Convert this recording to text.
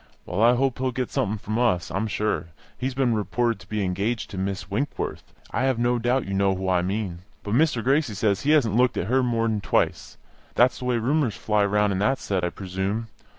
Well, I hope he'll get something from us, I'm sure. He has been reported to be engaged to Miss Winkworth; I have no doubt you know who I mean. But Mr. Gracie says he hasn't looked at her more than twice. That's the way rumours fly round in that set, I presume.